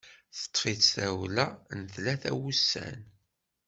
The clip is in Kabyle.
Teṭṭef-itt tawla n tlata n wussan.